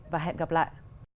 và hẹn gặp lại